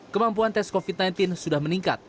kemampuan tes covid sembilan belas sudah meningkat